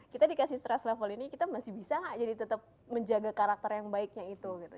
kita dikasih stress level ini kita masih bisa gak jadi tetap menjaga karakter yang baiknya itu gitu